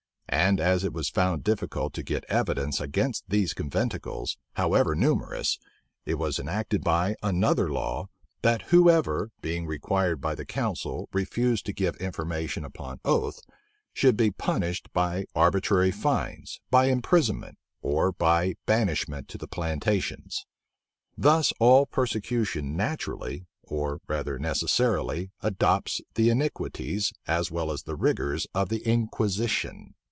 And as it was found difficult to get evidence against these conventicles, however numerous, it was enacted by another law, that whoever, being required by the council, refused to give information upon oath, should be punished by arbitrary fines, by imprisonment, or by banishment to the plantations; Thus all persecution naturally, or rather necessarily, adopts the iniquities, as well as rigors, of the inquisition.